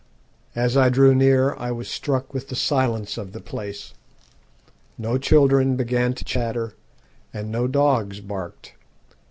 As I drew near I was struck with the silence of the place. No children began to chatter, and no dogs barked.